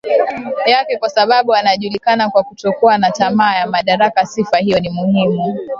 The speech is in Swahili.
yake Kwa sababu anajulikana kwa kutokuwa na tamaa ya madaraka sifa hiyo ni muhimu